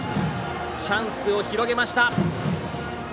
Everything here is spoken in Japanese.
チャンスを広げました。